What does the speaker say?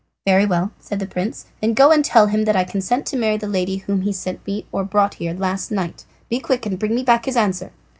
"Very well," said the prince; "then go and tell him that I consent to marry the lady whom he sent or brought here last night. Be quick and bring me back his answer."